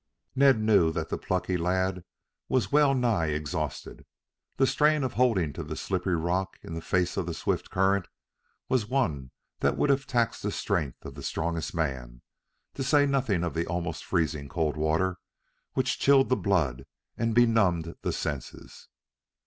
Ned knew that the plucky lad was well nigh exhausted. The strain of holding to the slippery rock in the face of the swift current was one that would have taxed the strength of the strongest man, to say nothing of the almost freezing cold water, which chilled the blood and benumbed the senses.